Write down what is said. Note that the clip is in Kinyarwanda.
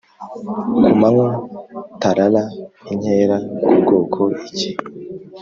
ku manywa tarara inkera ku bwoko igihe